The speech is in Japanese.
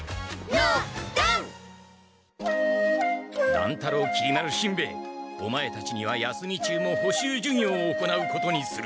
乱太郎きり丸しんべヱオマエたちには休み中も補習授業を行うことにする。